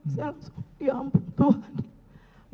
saya ya ampun tuhan